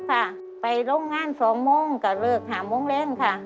๒๕๐ค่ะไปโรงงาน๒โมงกระเลือก๕โมงแรงค่ะ